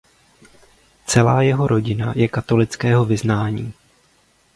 Celá jeho rodina je katolického vyznání.